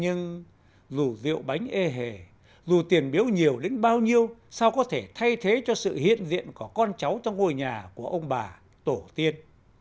nhưng dù rượu bánh ê hề dù tiền biếu nhiều đến bao nhiêu sao có thể thay thế cho sự hiện diện có con cháu trong ngôi nhà của ông bà tổ tiên